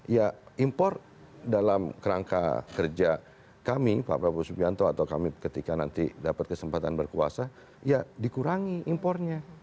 ya impor dalam kerangka kerja kami pak prabowo subianto atau kami ketika nanti dapat kesempatan berkuasa ya dikurangi impornya